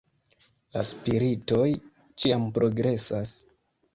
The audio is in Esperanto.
La Spiritoj ĉiam progresas.